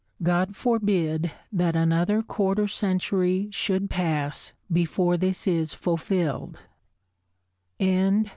God forbid that another quarter century should pass before this is fulfilled.